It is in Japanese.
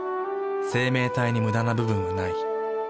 生命体にムダな部分はない。